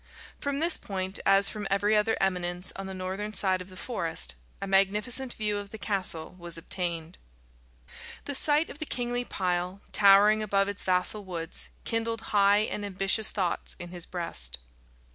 From this point, as from every other eminence on the northern side of the forest, a magnificent view of the castle was obtained. The sight of the kingly pile, towering above its vassal woods, kindled high and ambitious thoughts in his breast.